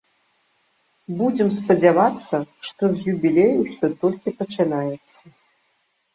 Будзем спадзявацца, што з юбілею ўсё толькі пачынаецца.